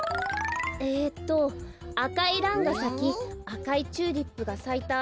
えっと「あかいランがさきあかいチューリップがさいた